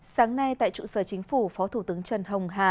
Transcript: sáng nay tại trụ sở chính phủ phó thủ tướng trần hồng hà